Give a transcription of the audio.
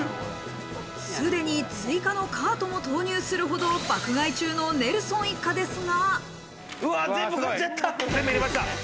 すでに追加のカートも投入するほど爆買い中のネルソン一家ですが。